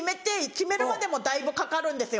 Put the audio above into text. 決めるまでもだいぶかかるんですよ。